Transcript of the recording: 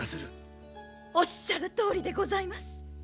おっしゃるとおりでございます。